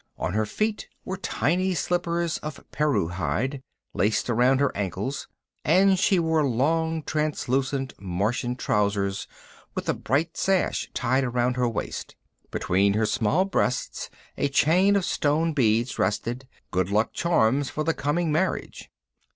On her feet were tiny slippers of perruh hide, laced around her ankles, and she wore long translucent Martian trousers with a bright sash tied around her waist. Between her small breasts a chain of stone beads rested, good luck charms for the coming marriage.